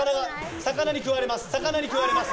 魚に食われます。